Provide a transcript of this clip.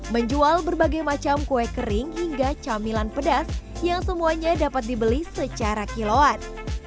menjual berbagai macam kue kering hingga camilan pedas yang semuanya dapat dibeli secara kiloan